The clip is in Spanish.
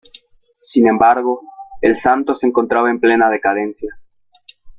Sin embargo el Santos se encontraba en plena decadencia.